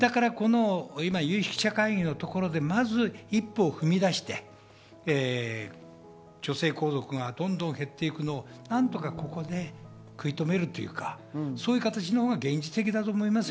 だから今、有識者会議のところでまず一歩踏み出して、女性皇族がどんどん減っていくのを何とかここで食い止めるというか、そういう形のほうが現実的だと思います。